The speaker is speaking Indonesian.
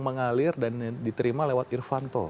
mengalir dan diterima lewat irvanto